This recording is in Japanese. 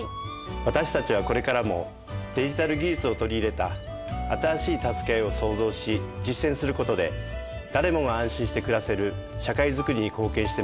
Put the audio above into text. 私たちはこれからもデジタル技術を取り入れた新しいたすけあいを創造し実践する事で誰もが安心して暮らせる社会づくりに貢献して参ります。